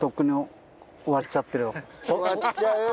終わっちゃう？